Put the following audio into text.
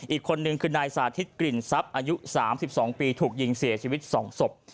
อีกคนนึงคือนายสาธิตกลิ่นทรัพย์อายุ๓๒ปีถูกยิงเสียชีวิต๒ศพ